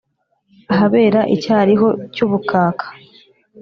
ahabera icyariho cy' ubukaka;